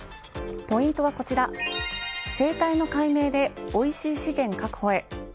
ポイントはこちら生態の解明でおいしい資源確保へ。